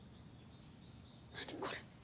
何これ。